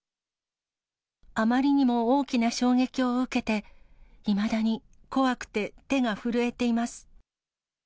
あまりにも大きな衝撃を受けて、いまだに怖くて手が震えています。